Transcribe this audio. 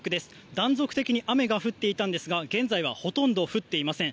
断続的に雨が降っていたんですが現在はほとんど降っていません。